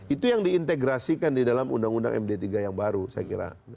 itu yang diintegrasikan di dalam undang undang md tiga yang baru saya kira